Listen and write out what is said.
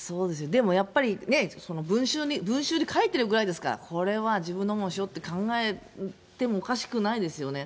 でもやっぱりね、文集に書いてるぐらいですから、これは自分のものでしょって考えてもおかしくないですよね。